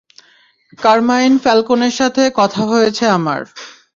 Carmine ফ্যালকোনের সাথে কথা হয়েছে আমার।